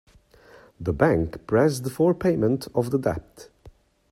The bank pressed for payment of the debt.